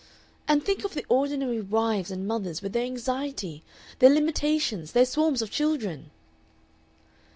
"And think of the ordinary wives and mothers, with their anxiety, their limitations, their swarms of children!"